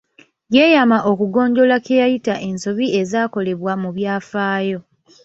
Yeyama okugonjoola kye yayita ensobi ezaakolebwa mu byafaayo.